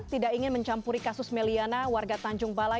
tidak ingin mencampuri kasus may liana warga tanjung balai